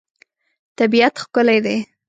طبیعت ښکلی دی.